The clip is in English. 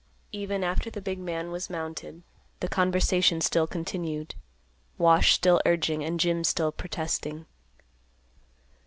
Even after the big man was mounted, the conversation still continued; Wash still urging and Jim still protesting.